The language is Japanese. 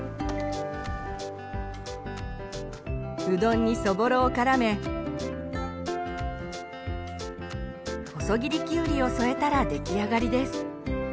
うどんにそぼろをからめ細切りきゅうりを添えたら出来上がりです。